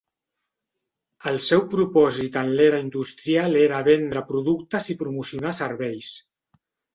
El seu propòsit en l'era industrial era vendre productes i promocionar serveis.